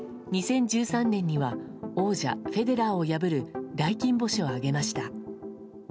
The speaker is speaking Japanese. ２０１３年には王者フェデラーを破る大金星を挙げました。